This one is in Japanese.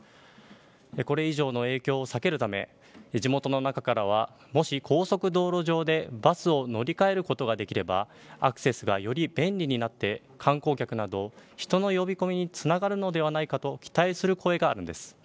これ以上の影響を避けるため地元の中からはもし高速道路上でバスを乗り換えることができればアクセスがより便利になって観光客など人の呼び込みにつながるのではないかと期待する声があるんです。